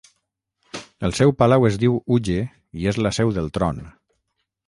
El seu palau es diu 'Uge' i és la seu del tron.